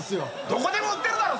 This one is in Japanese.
どこでも売ってるだろ